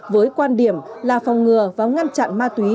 với quan điểm là phòng ngừa và ngăn chặn ma túy